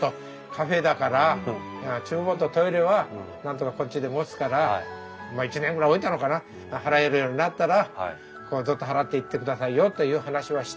カフェだから厨房とトイレはなんとかこっちで持つから１年ぐらい置いたのかな払えるようになったらずっと払っていってくださいよという話はして。